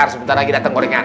sebentar lagi dateng gorengan